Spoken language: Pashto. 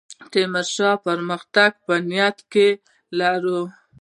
تیمورشاه پرمختګ په نیت کې لري.